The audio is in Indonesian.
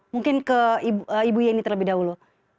mungkin ke ibu yeni terlebih dahulu